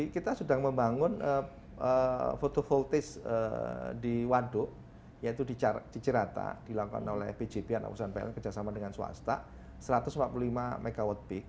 kita sedang membangun photo volties di waduk yaitu di cerata dilakukan oleh pjp anak usaha pln kerjasama dengan swasta satu ratus empat puluh lima mw